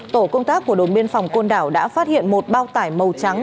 tổ công tác của đồn biên phòng côn đảo đã phát hiện một bao tải màu trắng